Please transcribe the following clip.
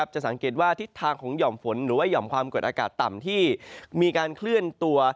จะสังเกตว่าทิศทางของหย่อมฝนหรือว่าหย่อมความกดอากาศต่ำที่มีการเคลื่อนตัว